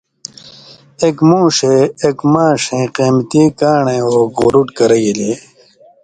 اېک مُوݜے اېک ماݜئیں قیمتی کان٘ڑئ اوک غُرُٹ کرہ گِلیۡ۔